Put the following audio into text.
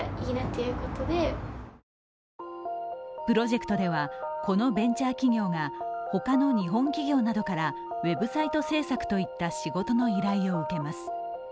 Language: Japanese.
プロジェクトではこのベンチャー企業がほかの日本企業などからウェブサイト制作といった仕事の依頼を受けます。